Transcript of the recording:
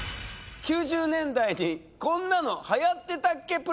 ９０年代にこんなのはやってたっけ？